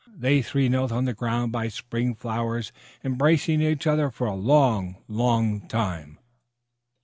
They three knelt on the ground by the spring flowers embracing each other for a long, long minute.